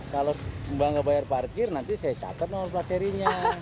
kalau mbak gak bayar parkir nanti saya catat nomor pelat serinya